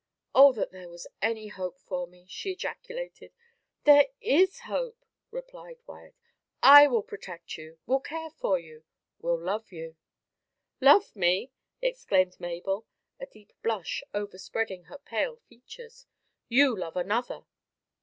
"Oh that there was any hope for me!" she ejaculated. "There is hope," replied Wyat. "I will protect you will care for you will love you." "Love me!" exclaimed Mabel, a deep blush overspreading her pale features. "You love another."